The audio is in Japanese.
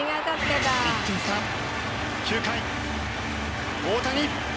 １点差９回大谷。